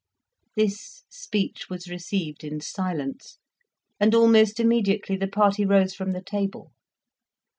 This speech was received in silence, and almost immediately the party rose from the table.